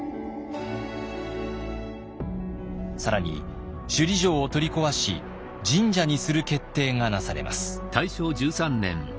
更に首里城を取り壊し神社にする決定がなされます。